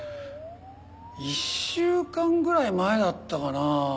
１週間ぐらい前だったかな。